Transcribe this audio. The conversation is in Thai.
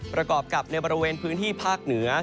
ประกอบกับในบริเวณพื้นที่ภาคเหนือ